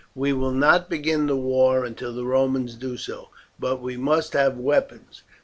"We will not begin the war until the Romans do so, but we must have weapons.